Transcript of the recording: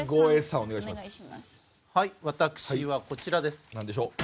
私はこちらです。